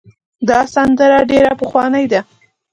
دا سندره ډېره پخوانۍ ده.